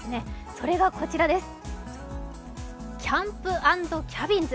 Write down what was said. それがこちらです、キャンプ・アンド・キャビンズ。